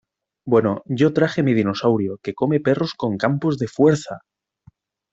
Bueno, yo traje mi dinosaurio que come perros con campos de fuerza.